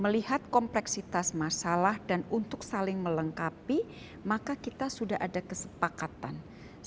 melihat kompleksitas masalah dan untuk saling melengkapi maka kita sudah bisa mencari penunjukan yang lebih jelas